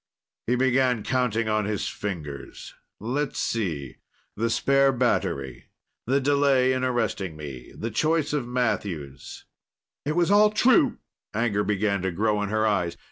He began counting on his fingers. "Let's see. The spare battery, the delay in arresting me, the choice of Matthews " "It was all true." Anger began to grow in her eyes.